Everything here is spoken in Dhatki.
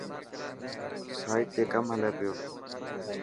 سائٽ تي ڪم هلي پيو.